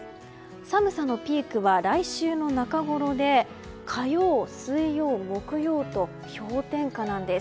寒さのピークは来週の中ごろで火曜、水曜、木曜と氷点下なんです。